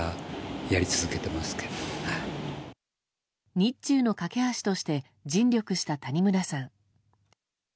日中の懸け橋として尽力した、谷村さん。